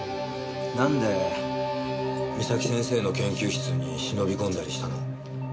なんで岬先生の研究室に忍び込んだりしたの？